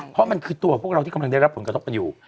เพราะมันคือตัวพวกเราที่กำลังได้รับผลกระทบกันอยู่